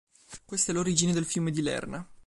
Questa è l'origine del fiume di Lerna.